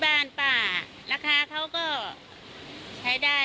ปราสาทแบบการตรวจสอบอุปกฏรศึกษา